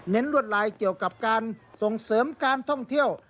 ลวดลายเกี่ยวกับการส่งเสริมการท่องเที่ยว